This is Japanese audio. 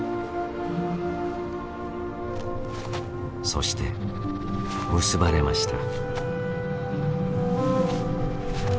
そして結ばれました。